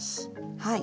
はい。